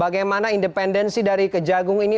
bagaimana independensi dari kejagung ini